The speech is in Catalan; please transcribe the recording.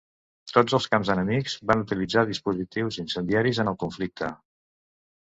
Tots els camps enemics van utilitzar dispositius incendiaris en el conflicte.